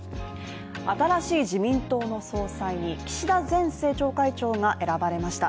新しい自民党の総裁に岸田前政調会長が選ばれました